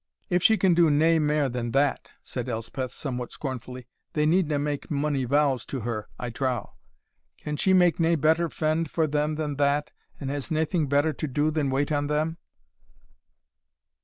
"If she can do nae mair than that," said Elspeth, somewhat scornfully, "they needna make mony vows to her, I trow. Can she make nae better fend for them than that, and has naething better to do than wait on them?"